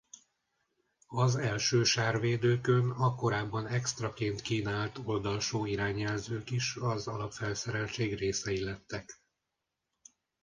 Az első sárvédőkön a korábban extraként kínált oldalsó irányjelzők is az alapfelszereltség részei lettek.